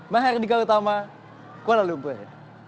mahal dika utama kuala lumpur